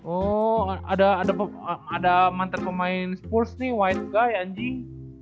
oh ada mantar pemain sports nih white guy anjing